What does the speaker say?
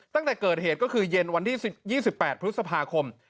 ตั้งแต่เกิดเหตุก็คือเย็นวันที่สิบยี่สิบแปดพฤษภาคม